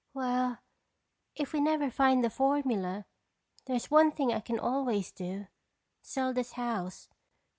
"Well, if we never find the formula, there's one thing I can always do—sell this house.